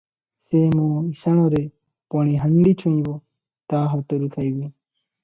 ସେ ମୋ ଇଶାଣରେ ପଶି ହାଣ୍ଡି ଛୁଇଁବ, ତା ହାତରୁ ଖାଇବି?